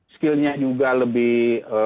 skillnya juga lebih